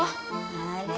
あれ？